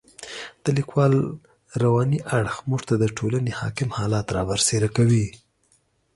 د لیکوال رواني اړخ موږ ته د ټولنې حاکم حالات را برسېره کوي.